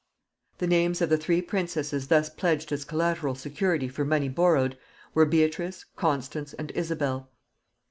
The names of the three princesses thus pledged as collateral security for money borrowed were Beatrice, Constance, and Isabel.